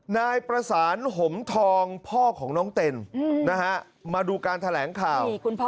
นายประสานหมทองพ่อของน้องเต็นนะฮะมาดูการแถลงข่าว